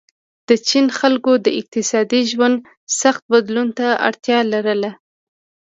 د چین خلکو اقتصادي ژوند سخت بدلون ته اړتیا لرله.